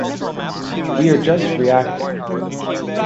We are just reacting.